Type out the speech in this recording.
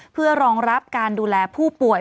เพื่อรองรับการดูแลผู้ป่วย